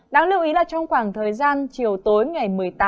đáng lưu ý là trong khoảng thời gian chiều tối ngày một mươi tám